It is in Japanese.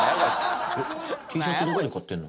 Ｔシャツどこで買ってるの？